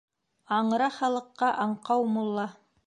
Аңра халыҡҡа аңҡау мулла.